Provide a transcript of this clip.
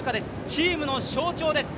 チームの象徴です。